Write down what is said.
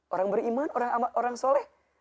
orang beriman orang soleh